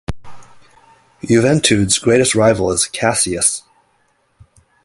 Juventude's greatest rival is Caxias.